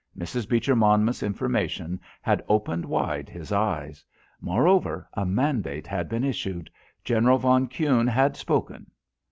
Mrs. Beecher Monmouth's information had opened wide his eyes. Moreover, a mandate had been issued. General von Kuhne had spoken....